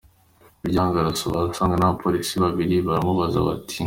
muryango, arasohoka asanga ni abapolisi babiri, baramubaza bati.